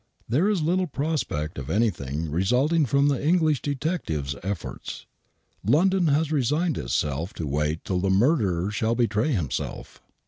There is little prospect of anything resulting from the English detectives' efforts. London has resigned itself to wait till the murderer shall betray himself.